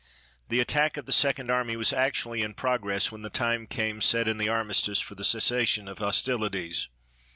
The attack of the Second Army was actually in progress when the time came set in the armistice for the cessation of hostilities.